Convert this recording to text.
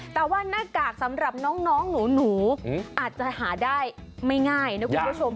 แต่ว่าหน้ากากสำหรับน้องหนูอาจจะหาได้ไม่ง่ายนะคุณผู้ชม